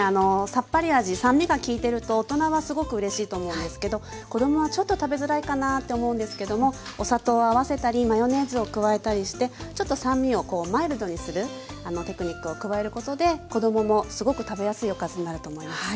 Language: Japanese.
さっぱり味酸味が効いてると大人はすごくうれしいと思うんですけど子供はちょっと食べづらいかなって思うんですけどもお砂糖を合わせたりマヨネーズを加えたりしてちょっと酸味をマイルドにするテクニックを加えることで子供もすごく食べやすいおかずになると思います。